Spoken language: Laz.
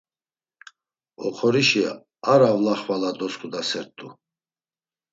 Oxorişi ar avla xvala dosǩudasert̆u.